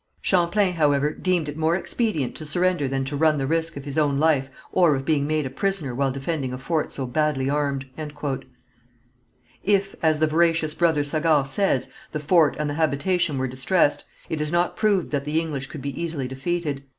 Champlain, however, deemed it more expedient to surrender than to run the risk of his own life or of being made a prisoner while defending a fort so badly armed." If, as the veracious Brother Sagard says, the fort and the habitation were distressed, it is not proved that the English could be easily defeated.